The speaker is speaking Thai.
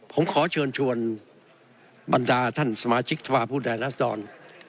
ผมขอเชิญชวนบรรดาท่านสมาชิกธรรมภูมิในรัฐสดร